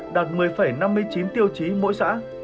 đạt một mươi năm mươi chín tiêu chí mỗi xã